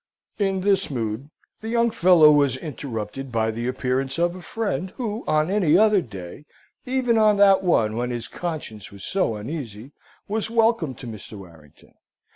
In this mood, the young fellow was interrupted by the appearance of a friend, who, on any other day even on that one when his conscience was so uneasy was welcome to Mr. Warrington.